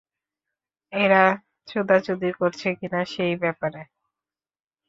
ওরা চুদাচুদি করেছে কিনা সেই ব্যাপারে?